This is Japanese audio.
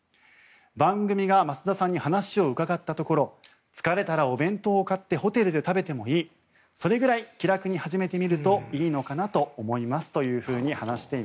番組が益田さんに話が伺ったところ疲れたらお弁当を買ってホテルで食べてもいいそれぐらい気楽に始めてみるといいのかなと話しているということです。